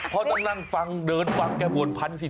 เพราะต้องนั่งฟังเดินฟังแค่๑๐๔๙ขั้น